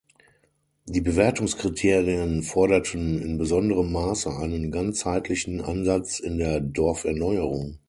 Die Bewertungskriterien forderten in besonderem Maße einen ganzheitlichen Ansatz in der Dorferneuerung.